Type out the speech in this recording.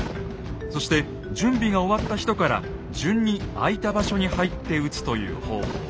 そして準備が終わった人から順に空いた場所に入って撃つという方法。